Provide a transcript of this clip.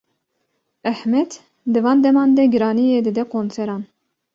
Ahmet di van deman de giraniyê dide konseran.